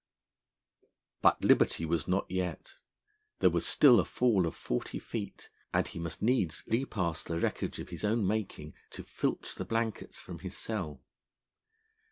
But liberty was not yet: there was still a fall of forty feet, and he must needs repass the wreckage of his own making to filch the blankets from his cell.